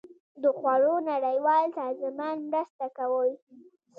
د خوړو نړیوال سازمان مرسته کوي.